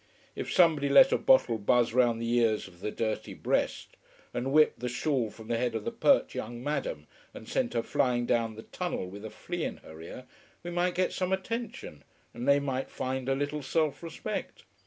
If somebody let a bottle buzz round the ears of the dirty breast, and whipped the shawl from the head of the pert young madam and sent her flying down the tunnel with a flea in her ear, we might get some attention and they might find a little self respect.